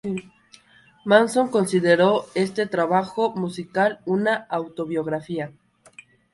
Manson consideró este trabajo musical una "autobiografía".